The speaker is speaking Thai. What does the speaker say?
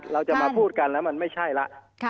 เราจะมาพูดกันแล้วมันไม่ใช่แล้ว